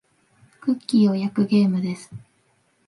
クッキーを焼くゲームです。